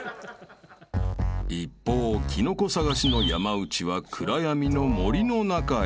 ［一方キノコ探しの山内は暗闇の森の中へ］